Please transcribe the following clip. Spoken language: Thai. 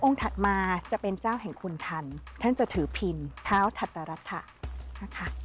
ถัดมาจะเป็นเจ้าแห่งคุณทันท่านจะถือพินเท้าถัตรรัฐะนะคะ